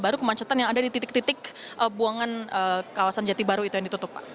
baru kemacetan yang ada di titik titik buangan kawasan jati baru itu yang ditutup pak